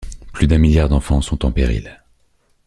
Plus d’un milliard d’enfants sont en péril.